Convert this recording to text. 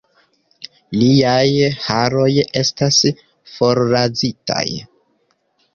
Liaj haroj estas forrazitaj.